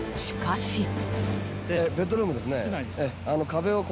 しかし。